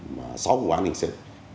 và sáu vụ án hình sự